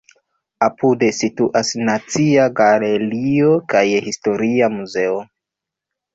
Apude situas Nacia Galerio kaj Historia Muzeo.